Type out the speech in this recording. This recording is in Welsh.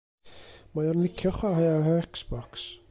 Mae o'n licio chwarae ar yr Xbox.